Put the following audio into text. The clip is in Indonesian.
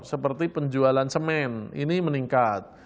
seperti penjualan semen ini meningkat